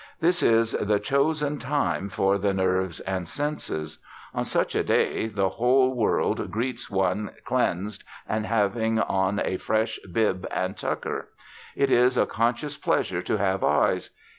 This is the chosen time for the nerves and senses. On such a day the whole world greets one cleansed and having on a fresh bib and tucker. It is a conscious pleasure to have eyes.